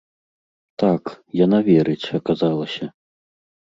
Так, яна верыць, аказалася.